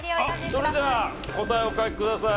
それでは答えお書きください。